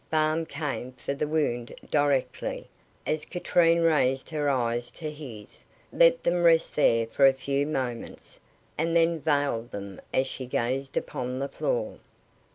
Balm came for the wound directly, as Katrine raised her eyes to his, let them rest there for a few moments, and then veiled them as she gazed upon the floor.